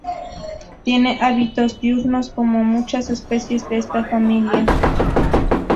Tiene hábitos diurnos como muchas especies de esta familia.